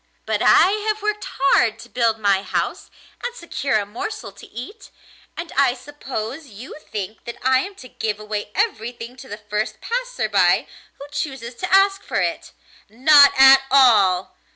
But I have worked hard to build my house and secure a morsel to eat, and I suppose you think that I am to give away everything to the first passer by who chooses to ask for it. Not at all!